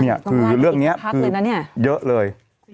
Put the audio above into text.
เนี่ยคือเรื่องนี้เยอะเลย